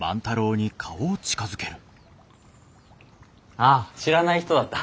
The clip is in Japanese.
ああ知らない人だった。